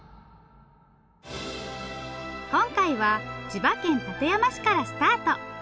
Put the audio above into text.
今回は千葉県館山市からスタート。